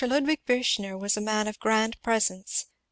Ludwig Biichner was a man of grand presence.